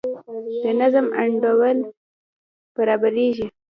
د نظم انډول برابریږي.